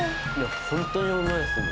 本当にうまいですね。